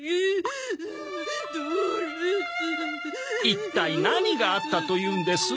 一体何があったというんです？